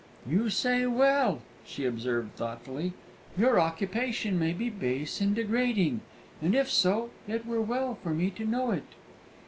"You say well!" she observed, thoughtfully; "your occupation may be base and degrading, and if so, it were well for me to know it."